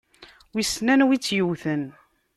Wissen anwa i tt-yewwten?